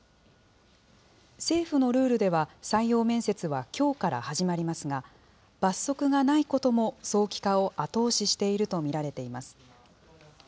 政府のルールでは、採用面接はきょうから始まりますが、罰則がないことも早期化を後押ししていると見られています。